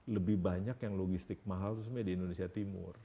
lebih banyak yang logistik mahal itu sebenarnya di indonesia timur